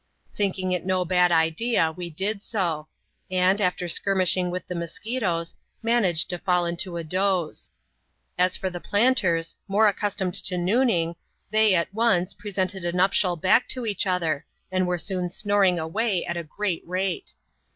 Thinking it no bad idea, we did so ; and, after skirmishing with the musqui toes, managed to fall" into a doze. As for the planters, more accustomed to " Nooning," they, at once, presented a nuptial back to each other ; and were soon snoring away at a great rate.